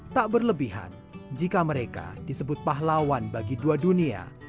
tak berlebihan jika mereka disebut pahlawan bagi dua dunia